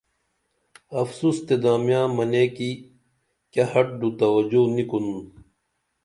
افسوس تے دامیاں منے کی کیہ ہڈو توجو نی کُنُن